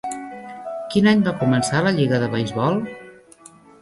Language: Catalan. Quin any va començar la lliga de beisbol?